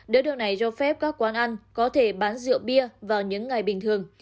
để được này cho phép các quán ăn có thể bán rượu bia vào những ngày bình thường